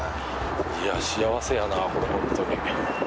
いや幸せやなこれ本当に。